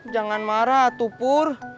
jangan marah tupur